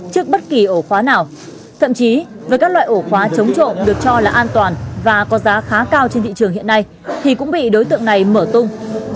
trước bất kỳ ổ khóa nào thậm chí với các loại ổ khóa chống trộm được cho là an toàn và có giá khá cao trên thị trường hiện nay thì cũng bị đối tượng này mở tung